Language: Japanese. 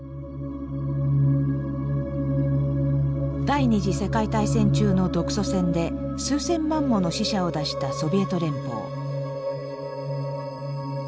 第２次世界大戦中の独ソ戦で数千万もの死者を出したソビエト連邦。